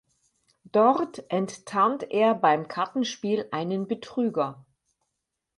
Dort enttarnt er beim Kartenspiel einen Betrüger.